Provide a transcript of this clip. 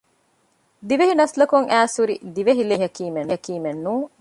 ދިވެހި ނަސްލަކުން އައިސްހުރި ދިވެހި ލޭހިނގާ މީހަކީމެއް ނޫން